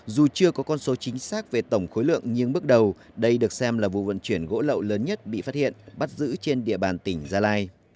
dù chưa có con số chính xác về tổng khối lượng nhưng bước đầu đây được xem là vụ vận chuyển gỗ lậu lớn nhất bị phát hiện bắt giữ trên địa bàn tỉnh gia lai